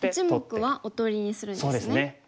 １目はおとりにするんですね。